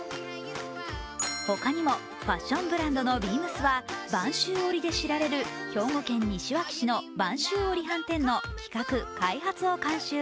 他にもファッションブランドのＢＥＡＭＳは播州織で知られる兵庫県西脇市の播州織はんてんの企画・開発を監修。